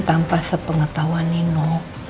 tanpa sepengetahuan nino